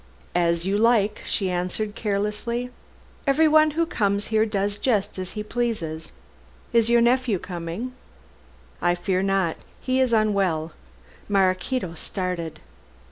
"As you like," she answered carelessly; "everyone who comes here does just as he pleases. Is your nephew coming?" "I fear not. He is unwell." Maraquito started.